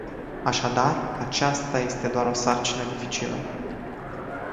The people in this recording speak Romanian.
Așadar, aceasta este o sarcină dificilă.